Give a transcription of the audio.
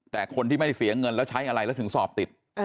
แต่คนที่ไม่เสียเงินแล้วใช้อะไรแล้วถึงสอบติด